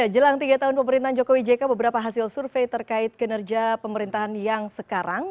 jelang tiga tahun pemerintahan jokowi jk beberapa hasil survei terkait kinerja pemerintahan yang sekarang